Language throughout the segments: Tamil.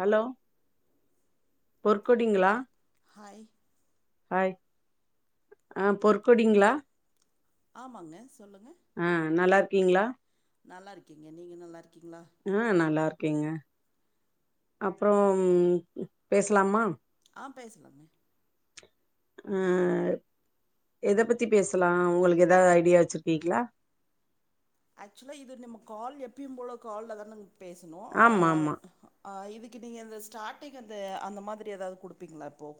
ஹலோ பொற்கொடிங்களா ஹாய் ஹாய் ஆ பொற்கொடிங்களா ஆமாங்க சொல்லுங்க அஹ் நல்லா இருக்கீங்களா நல்லா இருக்கேங்க நீங்க நல்லா இருக் ஆஹ் நல்லா இருக்கேங்க அப்புறம் பேசலாமா ஆ பேசலாம் ஆஹ் எத பத்தி பேசலா உங்களுக்கு ஏதாவது ஐடியா வச்சிருக்கீங்ளா ஆக்சுவலா இது நம்ம கால் எப்பயு போல கால்லதான பேசணு ஆமா ஆஹ் ஆமா அஹ் இதுக்கு நீங்க இந்த ஸ்டார்டிங் அந்த அந்த மாதிரி ஏதாவது குடுப்பீங்களா இப்போ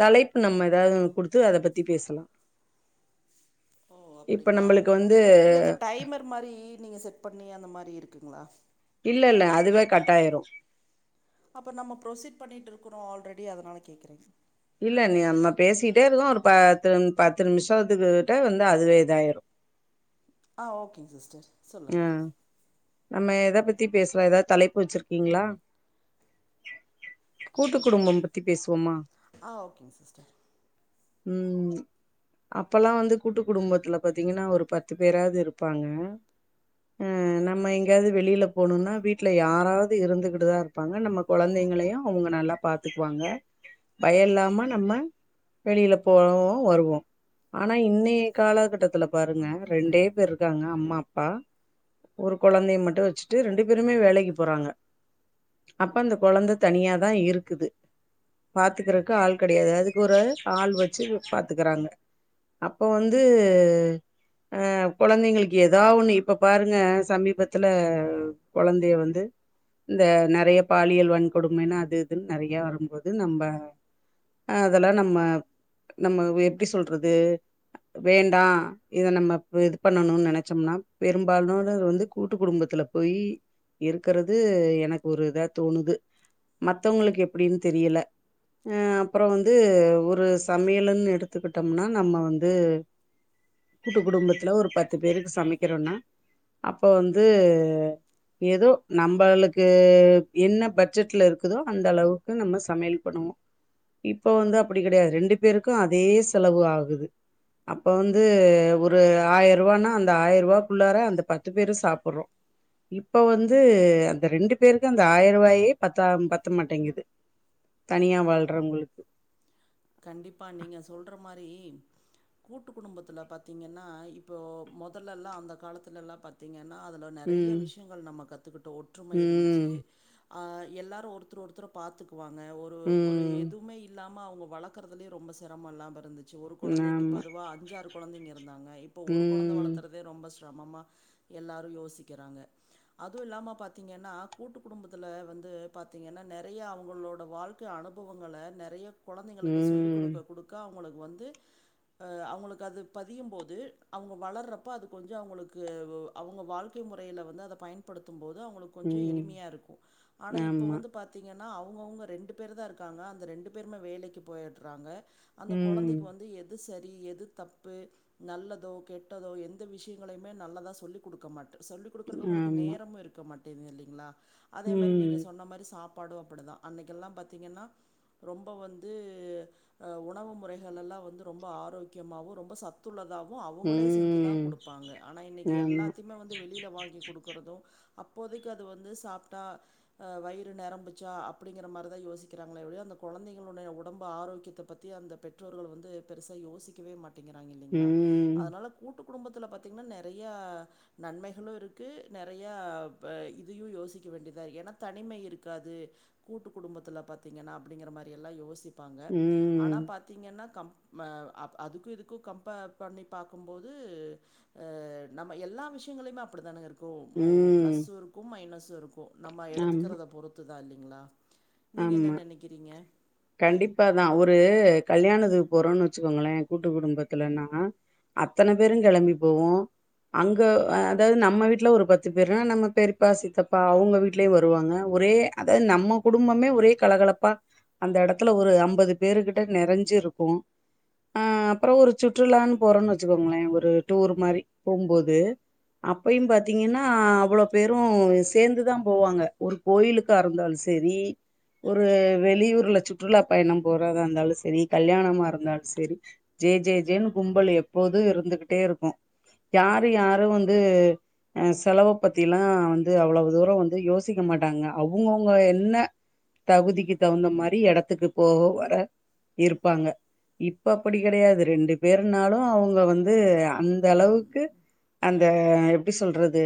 தலைப்பு நம்ம ஏதாவது குடுத்து அதை பத்தி பேசலா ஓ இப்ப அப்டிங்களா நம்மளுக்கு வந்து இல்ல இந்த டைமர் மாரி நீங்க செட் பண்ணி அந்த மாரி இருக்குங்களா இல்லல்ல அதுவே கட்டாயிரு அப்ப நம்மோ ப்ரொசீட் பண்ணிட்டு இருக்குறோ ஆல்ரெடி அதனால கேக்குறே இல்ல நீ நம்ம பேசிட்டே இருக்கோ ஒரு பத்து பத்து நிமிஷத்துக்கு கிட்ட வந்து அதுவே இதாயிரு [inaudible] ஆ ஓகேங் சிஸ்டர் சொல்லுங்கள் ஆஹ் நம்ம எதை பத்தி பேசலா ஏதாவது தலைப்பு வச்சிருக்கீங்களா கூட்டு குடும்பம் பத்தி பேசுவோமா ஆஹ் ஓகேங்க சிஸ்டர் உம் அப்பல்லா வந்து கூட்டு குடும்பத்துல பாத்தீங்கன்னா ஒரு பத்து பேராது இருப்பாங்க ம் என்னாப் நம்ம எங்கேயாவது வெளியில போணும்னா வீட்ல யாராவது இருந்துகிட்டு தா இருப்பாங்க நம்ம கொழந்தைங்களையு அவங்க நல்லா பாத்துக்குவாங்க பயம் இல்லாம நம்ம வெளியில போவுவோ வருவோ ஆனா இன்னைய காலகட்டத்துல பாருங்க ரெண்டே பேர் இருக்காங்க அம்மா அப்பா ஒரு கொழந்தய மட்டு வச்சுட்டு ரெண்டு பேருமே வேலைக்கு போறாங்க அப்ப அந்த கொழந்தை தனியாதா இருக்குது பாத்துக்கறக்கு ஆள் கிடையாது அதுக்கு ஒரு ஆள் வச்சு பாத்துக்கறாங்க அப்ப வந்து அஹ் கொழந்தைங்களுக்கு ஏதாவ ஒண்ணு இப்ப பாருங்க சமீபத்துல கொழந்தைய வந்து இந்த நெறைய பாலியல் வன்கொடுமைன்னு அது இதுன்னு நெறைய வரும்போது நம்ப அதெல்லா நம்ம நம்ம எப்டி சொல்றது வேண்டா இத நம்ம இது பண்ணணும்னு நினைச்சோம்னா பெரும்பாலும் வந்து கூட்டு குடும்பத்துல போயி இருக்கறது எனக்கு ஒரு இதா தோணுது மத்தவங்களுக்கு எப்டின் தெரியல அஹ் அப்புறோ வந்து ஒரு சமையல்ன்னு எடுத்துக்கிட்டோம்னா நம்ம வந்து கூட்டு குடும்பத்துல ஒரு பத்து பேருக்கு சமைக்கிறோன்னா அப்ப வந்து ஏதோ நம்மளுக்கு என்ன பட்ஜெட்ல இருக்குதோ அந்த அளவுக்கு நம்ம சமையல் பண்ணுவோ இப்ப வந்து அப்டி கெடையாது ரெண்டு பேருக்கு அதே செலவு ஆகுது அப்ப வந்து ஒரு ஆயிருவானா அந்த ஆயிருவாக்குள்ளார அந்த பத் து பேரு சாப்பிட்றோ இப்ப வந்து அந்த ரெண்டு பேருக்கு அந்த ஆயிருபாயே பத்தா பத்த மாட்டேங்குது தனியா வாழ்றவங்களுக்கு கண்டிப்பா நீங்க சொல்ற மாரி கூட்டு குடும்பத்துல பாத்தீங்கன்னா இப்போ மொதல்லல்லா அந்த காலத்துலல்லா பாத்தீங்க னா அதுல நெறைய ம் விஷயங்கள் நம்ம கத்துக்கிட்டோ ஒற்றுமை இருந்துச்சி ம் ஆஹ் எல்லாரு ஒருத்தர் ஒருத்தர பாத்துக்குவாங்க ஒரு ஒரு ம் எதுவுமே இல்லாமல் அவுங்க வள க்றதுலயே ரொம்போ சிரம இல்லாம இருந்துச் ச்சு ஒரு கொழந்தைக்கு ஆமா பதுவா அஞ்சாறு கொழந்தைங்க இருந்தாங்க இப்ப ஒரு குழந்தை ம் வளத்துறதே ரொம்ப சிரமம்மா எல்லாரு யோசிக்கிறாங்க அதுவு இல்லாம பாத்தீங்கன்னா கூட்டு குடும்பத்தில வந் து பாத்தீங்கன்னா நிறைய அவங்களோட வாழ்க்கை அனுபவங்கள நிறைய கொழந்தை சொல்லிக் ம் குடுக்க குடுக்க அவங்களுக்கு வந்து அ அவுங்களுக்கு அது பதியும் போது அவுங்க வளர்றப்ப அது கொஞ்ச அவுங்களுக்கு அவுங்க வாழ்க்கை முறையில வந்து அத பயன்படுத்தும் போது அவங்களுக்கு கொஞ்சொ ம் எளிமையா இருக்கு ஆனா இப்ப ஆமா வந்து பாத்தீங்கன் னா அவுங்கவுங்க ரெண்டு பேர் தான் இருக்காங்க அந்த ரெண்டு பேருமே வேலைக்கு போயிடுறாங்க அந்த ம் கொழந்தைக்கு வந்து எது சரி எது தப்பு நல்லதோ கெட்டதோ எந்த விஷயங்களையுமே நல்லதா சொல்லி கொடுக்க மாட்ட. சொல்லி கொடுக்குற ஒங்களுக்கு ஆமா நேரம் இருக்க மாட்டங்கதுல்லிங்கலா அதே மாரி ம் நீங்க சொன்ன மாரி சாப் பாடு அப்டிதான் அன்னைக்கு எல்லா பாத்தீங்ன்னா ரொம்ப வந் து அ உணவு முறைகளல்லாம் வந்து ரொம்ப ஆரோக்கியமாவு ரொம்ப சத்துள்ளதா உ அவுங்களே செஞ்சுதான் ம் குடுப்பாங்க. ஆனா இன்னிக்கு ஆமா எல்லாத்யுமே வந்து வெளியில வாங்கி கொடுக்குறதும் அப்போதைக்கு அது வந்து சாப்ட்டா ஆ வயிறு நெரம்புச்சா அப்டிங்கிற மாரிதான் யோசிக்கிறாங்கலே ஒழிய அந்த கொழந்தைகளுடைய ஒடம்பு ஆரோக்கியத்த பத்தி அந்த பெற்றோர்கள் வந்து பெருசா யோசிக்கவே மாட் டிங்கிறாங்க இல்லிங்களா ம் அதனால கூட்டு குடும்பத்தல பாத்தீங்ன்னா நெறையா நன்மைகளும் இருக்கு நெறையா ப்ப இதையும் யோசிக் வேண்டியதா எனா தனிமை இருக்காது கூட்டு குடும்பத்தல பாத்தீங்ன்னா அப்டிங்கிற மா அப்டி எல்லா யோசிப்பாங்க. ஆனா ம் பாத்தீங்ன்னா கம் ம அப் அதுக்கும் இதுக்கும் கம்பேர் பண்ணி பாக்கும்போது அ நம்ப எல்லா விஷயங்களுமே அப்டி தானங்க இருக் கோ போ ம் ப்ளஸ்ஸு இருக்கும் மைனஸும் இருக்கும் நம்ம ஆமா எடுத்துக்கிறத பொறுத்து தா இல்லிங்களா. நீங்க என்ன ஆமா நெனக்கிறீங்க? கண்டிப்பாதா ஒரு கல்யாணதுக்கு போறோன்னு வச்சுக்கோங்களே கூட்டு குடும்பத்லன்னா அத்தன பேரு கிளம்பி போவோம்‌. அங்க அ அதாவது நம்ம வீட்டுல ஒரு பத்து பேரு, நம்ம பெரியப்பா, சித்தப்பா அவுங்க வீட்லயும் வருவாங்க. ஒரே அது நம்ம குடும்பமே ஒரே கலகலப்பா அந்த எடத்ல ஒரு ஐம்பது பேரு கிட்ட நெறஞ்சு இருக்கு. அ அப்றம் ஒரு சுற்றுலான் போறோம்ன் வச்சுக்கோங்களே ஒரு டூர் மாரி போம்போது அப்பயும் பாத்தீங்கன்னா அவ்ளோ பேரும் சேந்துதா போவாங்க ஒரு கோயிலுக்கு அருந்தாலு செ தெரி ஒரு வெளியூர்ல சுற்றுலா பயணம் போறதா இந்தாலு செரி கல்யாணமா இருந்தாலு செரி ஜெ ஜே ஜே ஜேன்னு கும்பல் எப்போது இருந்துகிட்டே இருக்கு யாரு யாரு வந்து அ செலவ பத்தி எலாம் வந்து அவ்ளவு தூரம் வந்து யோசிக்க மாட்டாங்க அவுங்கவு ங்க என்ன தகுதிக்கு தகுந்த மாரி எடத்துக்கு போக வர இருப்பாங்க இப்ப அப்டி கெடையாது ரெண்டு பேருனாலு அவங்க வந் து அந்த ம் அளவுக்கு அந் த எப்டி சொல்றது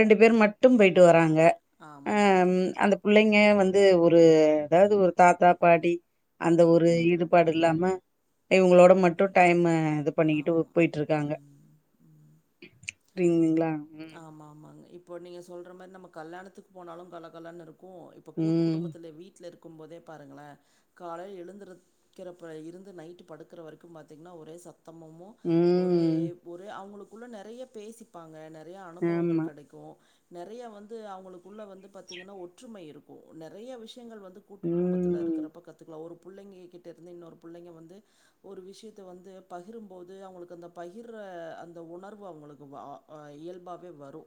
ரெண்டு பேர் மட்டும் போயிட்டு வராங்க. ஆமா அம் ஆமாங்க. அந்த பிள்ளைங்க வந்து ஒரு அதாது ஒரு தாத்தா பாடி அந்த ஒரு ஈடுபாடு இல்லாம இவுங்களோட மட்டு டைமு இது பண்ணிகிட்டு ஆமா போயிட்டுருக்காங்க. ம் ம் புரியுங்குங்ளா ஆமா ஆமாங்க இப்போ நீங்க சொல்ற மாரி நம்ப கல்யாணத்துக் போனாலும் கல கலனு இரு கு இப்ப கூட்டு ம். குடும்பத்தில வீட்ல இருக் கும் போதே பாருங்களே காலையில் எழுந்திருக்கிறப்ப இருந்து நைட்டு படுக்கிற வரைக்கும் பாத்தீங்ன்னா ஒரே ச த்தம்மமும் ஒரே ம். ஒரு அவங்களுக்குள்ள நெறய பேசிப்பாங்க ந றய அனுபவங்கள் ஆமா. கிடைக்கும். நெறய வந்து அவுங்களுக்குள்ள வந்து பாத்தீங்ன்னா ஒற்றுமை இருக்கும் நெறய விஷ் யங்கள் வந்து கூட்டு குடும்பத்ல ம். இருக்கிறப்ப கத்துக்லாம் ஒரு புள்ளைங்கே கிட்டருந்து இன்னொரு புள்ளைங்க வந்து ஒரு விஷியத்த வந்து பகிரும்போது அவுங்குளுக்கு அந்த பகிர்ர அ அந்த உணர்வு அவுங்குளுக்கு வா அ இயல் பாவே வரு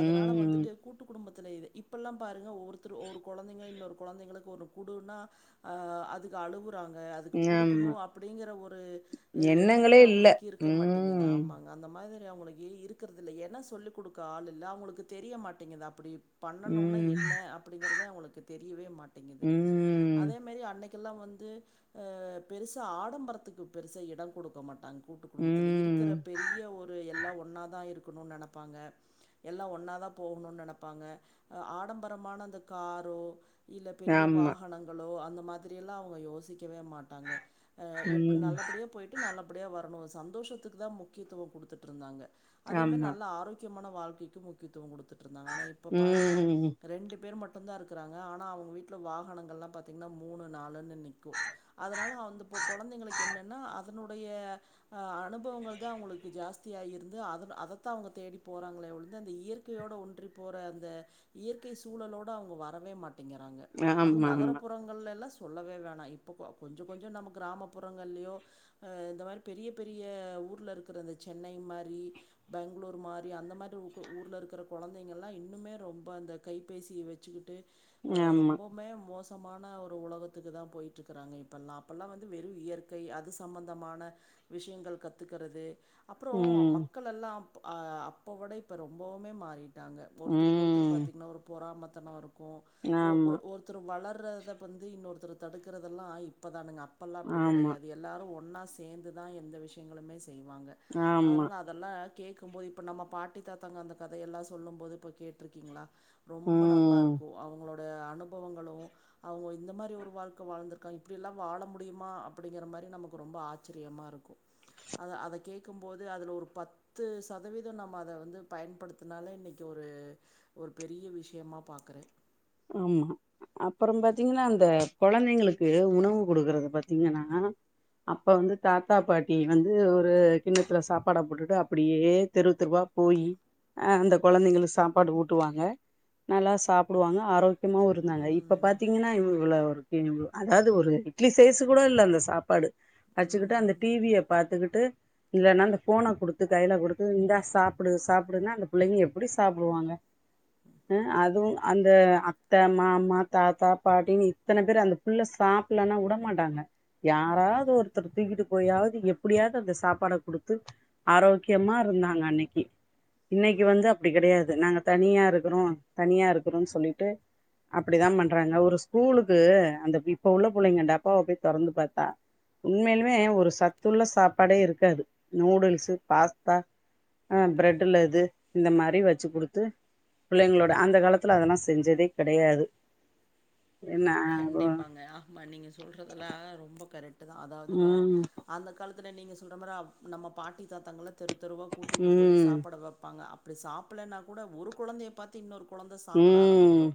அதுனால ம். வந்துட்டு கூட்டு குடும்பத்துல இது இப்புல்லா பாருங்க ஒவ்வொர் த்துரு ஒரு கொழந்தைங்க இன்னொரு கொழந்தைங்ளுக்கு ஒண்ணு குடுனா அ அதுக்கு அழுவு றாங்க அதுக்கு குடுக்குணு ஆமா. அப்டிங்கிற ஒரு அ எண்ணமே எண்ணங்களே இல்ல. அவுங்களுக்கு இருக்க மாட்டேங்குது ம். ஆமாங்க அந்த மாதி அவுங்குள கேலி இருக்கறதில்ல ஏனா சொல்லு குடுக்க ஆள் இல்ல அவுங்குளுக்கு தெரிய மாட்டேங்குது அப்பிடி பண்ணணுனா ம். என்ன அப்டிங்கறதே அவுங்களுக்கு தெரியவே மாட்டேங்குது ம். அதே மேரி அன்னை கில்லா வந்து அ பெருசா ஆடம்பரத்துக்கு பெருசா இடம் குடுக்க மாட்டாங் கூட்டு குடும்பத்தில இருக்குற ம். பெரிய ஒரு எல்லா ஒன்னா தா இருக்குணுன் நெனப் பாங்க எல்லாம் ஒன்னாதா போகுணுன் நெனப்பாங்க அ ஆடம்பரமான அந்த காரோ இல்ல பெரிய ஆமா. வாகனங்குளோ அந்த மாதிரியெல்லா அவுங்க யோசிக் கிவே மாட்டாங்க அ எப் ம். நல்லபுடியா போய்ட்டு நல்லபுடியா வரணுஸ் சந்தோஷத்துக்கு தா முக்கியத்துவம் குடுத்துட்ருந்தாங்க அதே மேரி ஆமா. நல்லா ஆரோக்கியமான வாழ்க்கைக்கு முக்கியத்துவம் குடு திட்ருந்தாங்க ஆனா இப்ப பாருங்க ம். ரெண்டு பேர் மட் டுந்தா இருக்குறாங்க ஆனா அவுங்கு வீட்ல வாகனங்கள்லா பாத்தீங்ன்னா மூணு நாலுனு நிக்கு அதுனால அந்த போ கொழந்தைங்களுக் என்னன்னா அதனுடைய அ அனுபவங்கள் தா அவுங்குளுக்கு ஜாஸ்தியா இருந்து அதனா அதத்தா அவுங்க தேடி போறாங்குளே ஒள்து அந்த இயற்கையோட ஒன்றி போற அந்த இயற்கை சூழலோடு அவுங்க வரவே மாட் டிங்கிறாங்க அதும் ஆமாமா. நகரபுறங்கள் எல்லா சொல்லவே வேணா இப்போ கொ கொஞ்சோ கொஞ்சோ நம்ம கிராமப்புறங்கள்லியோ அ இந்த மாரி பெரிய பெரிய ஊர்ல இருக்குற அந்த சென்னை மாரி பெங்ளூர் மார் அந்த மாரி ஊகு ஊர்ல இருக்கிற கொழந்தைங்கெள்லா இன்னுமே ரொம்பா அந்த கைபேசி வச்சுகிட்டு அ ஆமா. ரொம்பொவ்மே மோஸ் சமான ஒரு உலகத்துக்குதா போய்ட்ரிக்குறாங்க இப்பல்லா அப்பல்லா வந்து வெறு இயற்கை அது சம்பந்தமான விஷியங்கள் கத்துக்கறது அப்புறோ ம். மக்கள் எல்லா அ அப்போ விட இப்ப ரொம்பவுமே மாறி தாங்க ஒருத்தருக் ஒருத்தரு ம் பாத்தீங்ன்னா ஒரு பொறாமத்தனோ இருக்கு ஒ ஒ ஆமா ஒருத்தரு வளர் ரத பந்து இன்னொருத்தரு தடுக்கிறதெல்லா இப்பதானுங்க அப்பல்லா அப்டி ஆமா கெடையாது எல்லாரு ஒன் னா சேந்துதா எந்த விஷியங்களுமே செய்வாங்க ஆமா அதனால அதெல்லா கேக்கும்போது இப்ப நம்ம பாட்டி தாத்தாங்க அந்த கதையெல்லா சொல்லும்போது இப்ப கேட்ருக்கீங்ளா ரொம்ப நல்லா இருக்கு அவுங்குளோ உ அவ்ங்கு வை இந்த மாரி ஒரு வாழ்க்க வாழ்ந்திருக்கா இப்டியெல்லா வாழ முடியுமா அப்புடிங்கிற மாரி நமக்கு ரொம்ப ஆச்சரியமா இருக்கு அதா அத கேக்கும்போது அதுல ஒரு பத்து சதவீதோ நம் மா அத வந்து பயன்படுத்துனாலே இன்னைக்கு ஒரு ஒரு பெரிய விஷ்யமா பாக்குறே ம் ஹு அப்பறம் பாத்தீங்ன்னா அந்த கொழந்தைங்ளுக்கு உணவு குடுக்குறத பாத்தீங்கனா அப்ப வந்து தாத்தா பாட்டி வந்து ஒரு கிண்ணத்துல சாப்பாட போட்டுட்டு அப்பிடியே தெருவ் தெருவா போயி அ அந்த கொழந்தைங்கிளு சாப்பாடு ஊட்டுவாங்க நல்லா சாப்டுவாங்க ஆரோக்கியமாவு இருந்தாங்க இப்ப ம், பாத்தீங்குனா இவுங்குள ஒரு தீர்வு அதாவ்து ஒரு இட்லி சைஸு கூட இல்ல அந்த சாப்பாடு வச்சுக்கிட்டு அந்த ம். டி வி ய பாத்துகிட்டு இல்லனா அந்த ஃபோன குடுத்து கைல குடுத்து இந்தா சாப்புடு சாப்புடுனா அந்த பிள்ளைங்க எப்புடி சாப்டுவாங்க அ அதுவு அந்த அத்த மாமா தாத்தா பாட்டின்னு இத்தன பேரு அந்த புள்ள சாப்புலனா உடமாட்டாங்க யாராது ஒருத்தரு தூக்கிட்டு போயாவ்து எப்பிடியாது அந்த சாப்பாட குடுத்து ஆரோக்யமா இருந்தாங்க அன்னைக்கி இன்னைக்கு வந்து அப்டி கெடையாது நாங்க தனியா இருக்குனு தனியா இருக்குனுன் சொல்லிட்டு அப்டிதா பண்றாங்க ஒரு ஸ்கூலுக்கு அந்த இப்ப உள்ள புள்ளைங்க டப்பாவ போய் தொறந்து பாத்தா உண்மேலுமே ஒரு சத்துள்ள சாப்பாடே இருக்காது நூடுல்ஸு பாஸ்தா அ பிரெட்டுல இது இந்த மாரி வச்சு குடுத்து பிள்ளைங்ளோட அந்த காலத்துல அதெல்லாஸ் செஞ்சதே கடையாது கண்டிப்பாங்க ஆமா நீங்க சொல்றதெல்லா ரொம்ப கரெக்ட் தா அதாவதுங்க ம் அந்த காலத் துல நீங்க சொல்ற மாரி நம்ம பாட்டி தாத்தாங்களா தெரு தெருவா கூட்டிட்டு போய் ம் சாப்ட வைப்பாங்க அப்ப சாப்புடலன்னா கூட ஒரு கொழந்தைய பாத்து இன்னொரு கொழந்த சாப்புட ம் ஆரம்பிக்கு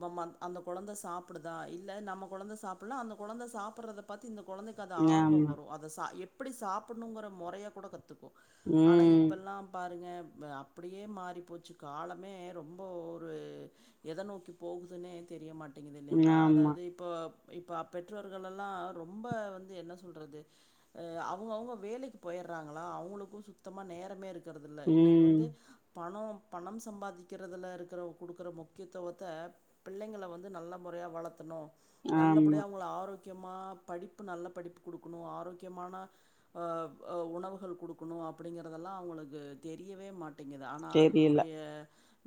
ப அந் அந்த கொழந்த சாப்புடுதா இல்ல நம்ம கொழந்த சாப்பிட்லானா அந்த கொழந்த சாப்புட்றத பாத்து இந்த கொழந்தைக்கு அது ஆர்வம் ஆமா வரு அத சா எப்டி சாப்புட்ணுங்குற மொறைய கூட கத்து க்கு ஆனா ம் இப்பெல்லா பாருங்க ப அப்படியே மாறி போச்சு காலமே ரொம்ப ஒரு எத நோக்கி போகுதுன்னே தெரியமாட்டேங்குது இல்லைங்களா ஆமா அதாவது இப்போ இப்ப அப் பெற்றோர்கலெல்லா ரொம்ப வந்து என்ன சொல்றது அ அவங்கவுங்க வேலைக்கு போயிற் றாங்களா அவங்களுக்கு சுத்தமா நேரமே இருக்கறது இல்ல இன்னைக்கி ம் வந்து பணோ பணம் சம்பாதிக்கிறதுல இருக்கிற குடுக்குற முக்கியத்துவத்த பிள்ளைங்கள வந்து நல்லா முறையா வளத்துனு ஆமா நல்லபடியா அவங்கள ஆரோக் க்கியமா படிப்பு நல்ல படிப்பு குடுக்கணு ஆரோக்கியமான அ அ உணவுகள் குடுக்கணு அப்டிங்கறதெல்லா அவங்களுக்கு தெரியவே மாட்டேங்குது ஆனா தெரியல அதனுடைய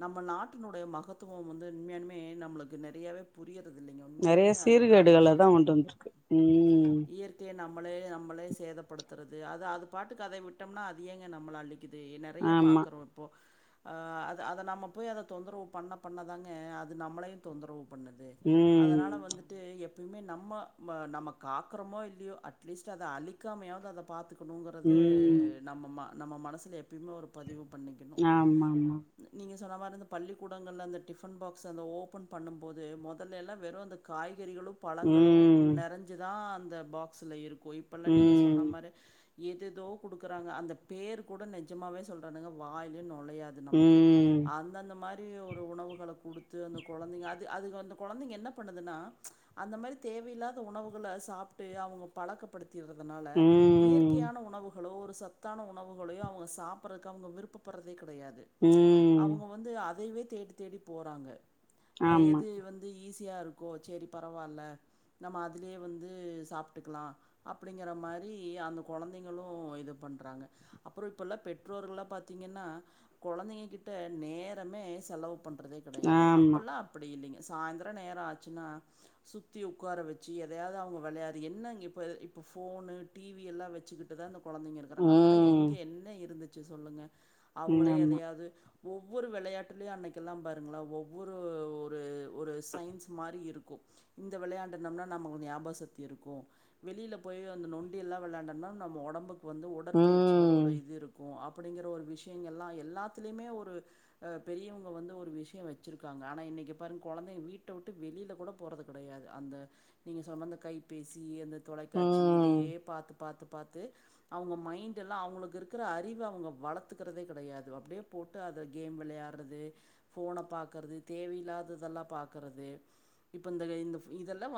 நம்ம நாட்டினுடைய மகத்துவம் வந்து உண்மையானுமே நம்மளுக்கு நெறையாவே புரிய நெறைய சீர்கர்கேடுகளதா கொண்டு வந்திருக்கு ம் இயற்கைய நம் நம்மளே நம்மளே சேதப்படுத்துறது அது அது பாட்டு அதை விட்டோம்னா அது எங்க நம்மள அழிக் க்கிது நெறைய ஆமா பாக்குறோ இப்போ ஆ அது அத நம்ம போய் அத தொந்தரவு பண்ண பண்ணதாங்க அது நம்மளையு தொந்தரவு பண்ணுது ம் அதனால வந்துட்டு எப்பயுமே நம்ம வ நமக்கு காக்கறோமோ இல்லியோ அட்லீஸ்ட்ட் அத அழிக்காமையாவது அத பாத்துக்கணுங்கிறது ம் நம்ம ம நம்ம மனசில எப்பயுமே ஒரு பதிவு பண்ணிக்கணு ஆமாமா நீங்க சொன்ன மாரி அந்த பள்ளிக்கூடங்கள்ல அந்த டிபன் பாக்ஸ் அத ஓபன் பண்ணும் போது மொதல்ல எல்லா வெறு அந்த காய் கறிகளு, பழங்களு ம் நெறைஞ்சுதா அந்த பாக்ஸ்ல இருக்கு இப்பல்லா நீங்க சொன்ன ம் மாரி எதேதோ குடுக்குறாங்க அந்த பேர் கூட நிஜமாவே சொல்றனுங்க வாயிலே நுழையாது நமக்கு ம் அந்தந்த மாரி ஒரு உணவுகள குடுத்து அந்த கொழந்தைங்க அது அது வந்து அந்த கொழந்தைங்க என்ன பண்ணுதுன்னா அந்த மாரி தேவையில்லாத உணவுகள சாப்ட்டு அவங்க பழக்கப்படுத் திட்றதுனால ம் இயற்கையான உணவுகளோ ஒரு சத்தான உணவுகளையோ அவங்க சாப்பட்றதுக்கு அவங்க விருப்பப்பட்றதே கெடையாது ம் அவங்க வந்து அதையவே தேடி தேடி போறாங்க அ ஆமா எது வந்து ஈஸியா இருக்கோ செரி பரவால்ல நம்ம அ அதிலயே வந்து சாப்ட்டுக்கலா அப்டிங்கிற மாரி அந்த கொழந்தைங்களு இது பண்றாங்க அப்றோ இப்பல்லா பெற்றோர்கள்லா பாத்தீங்கன்னா கொழந்தைங்க கிட்ட நேரமே செலவு பண்றதே கிடையாதுங்க ஆமா அப்பல்லா அப்டி இல்லிங்க சாயந்திரம் நேர ஆச்சுன்னா சுத்தி ஒட்கார வச் சி எதையாவது அவங்க விளையாடி என்ன இப்ப இப்ப ஃபோன் டிவி எல்லா வச்சுக்கிட்டு தா கொழந்தைங்க இருக்குறாங்க அப்பல்லா ம் எங்க என்ன இருந்துச்சு சொல்லுங்க ம் அவங்களே ஆமா எதையாவது ஒவ்வொரு விளையாட்டுலயு அன்னைக்கில்லா பாருங்களா ஒவ்வொரு ஒரு ஒரு சயின்ஸ் மாரி இருக்கு இந்த விளையாண்டு நம்லா நமக்கு ஞாபகசக்தி இருக்கு வெளியில போய் அந்த நொண்டி எல்லா விளையாண்டனா நம்ம ஒடம்புக்கு க்கு வந்து உடற்பயிற்சி மாரி ஒரு ம் இது இருக்கு அப் அப்படிங்கிற ஒரு விஷயங்கள் எல்லா எல்லாத்திலயுமே ஒரு அ பெரியவங்க வந்து ஒரு விஷயம் வச்சிருக்காங்க ஆனா இன்னைக்கி பாருங்க கொழந்தைங்க வீட்ட விட்டு வெளில கூட போறது கிடையாது அந்த நீங்க சொன்ன அந்த கைப்பேசி அந்த தொலைக்காட்சி ம் இதையே பாத்து பாத்து பாத்து அவங்க மைண்ட் எல்லா அவங்களுக்கு இருக்கிற அறிவுவ அவங்க வளத்துக்கிறதே கிடையாது அப்படியே போ போட்டு அத கேம் விளையாட்றது ஃபோன பாக்குறது தேவையில்லாததெல்லா பாக்குறது இப்ப இந்த இந்த இதெல்லா வந்து